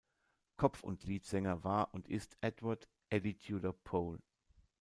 Kopf und Leadsänger war und ist Edward „Eddie“ Tudor-Pole.